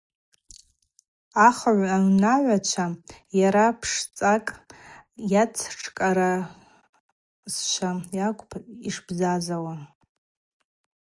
Ахыгӏв унагӏвачвагьи, йара пшцӏакӏ йацтшкӏаразшва акӏвпӏ йшбзазауа.